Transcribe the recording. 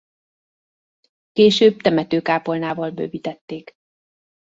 Később temetőkápolnával bővítették.